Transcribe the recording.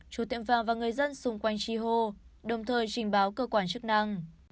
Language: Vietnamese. chủ tiệm vàng và người dân xung quanh chi hô đồng thời trình báo cơ quan chức năng